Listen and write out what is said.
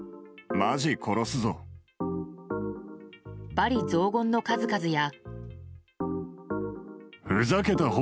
罵詈雑言の数々や。